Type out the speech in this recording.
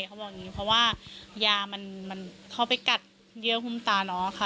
เขาบอกอย่างนี้เพราะว่ายามันเข้าไปกัดเยื่อหุ้มตาน้องค่ะ